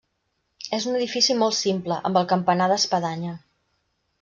És un edifici molt simple, amb el campanar d'espadanya.